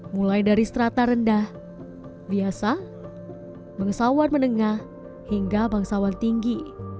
mulai dari strata rendah biasa bangsawan menengah hingga bangsawan tinggi